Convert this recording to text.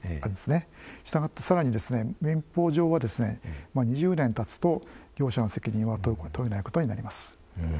したがって更に民法上は２０年たつと業者の責任は問えないことになります。